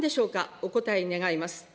お答え願います。